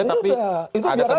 tapi ada kemungkinan